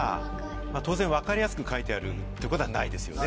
当然分かりやすく書いてあるってことはないですよね？